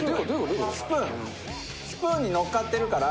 スプーンにのっかってるから。